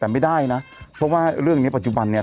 แต่ไม่ได้นะเพราะว่าเรื่องนี้ปัจจุบันเนี่ย